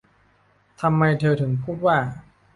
'ทำไมเธอถึงพูดว่า'